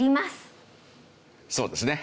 そうですね。